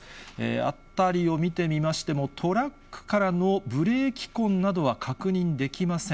辺りを見てみましても、トラックからのブレーキ痕などは確認できません。